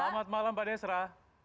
selamat malam pak desra